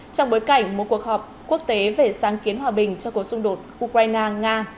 trong bối cảnh một cuộc họp quốc tế về sáng kiến hòa bình cho cuộc xung đột ukraine nga